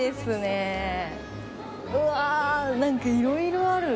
うわ何かいろいろある。